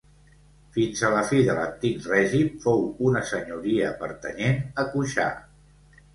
Fins a la fi de l'Antic Règim fou una senyoria pertanyent a Cuixà.